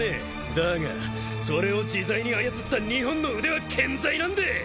だがそれを自在に操った２本の腕は健在なんでえ！